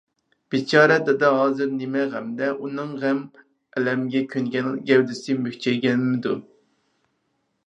بىچارە دادا ھازىر نېمە غەمدە، ئۇنىڭ غەم-ئەلەمگە كۆنگەن گەۋدىسى مۈكچەيگەنمىدۇ؟